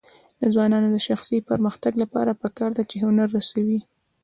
د ځوانانو د شخصي پرمختګ لپاره پکار ده چې هنر رسوي.